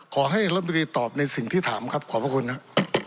ขอให้ลำดีตอบในสิ่งที่ถามครับขอบคุณครับ